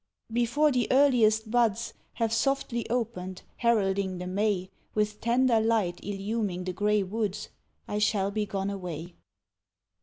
Before the earliest buds Have softly opened, heralding the May With tender light illuming the gray woods, I shall be gone away.